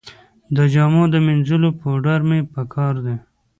د جامو مینځلو پوډر مې په کار دي